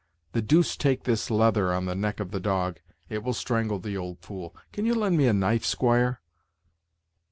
The deuce take this leather on the neck of the dog, it will strangle the old fool. Can you lend me a knife, squire?"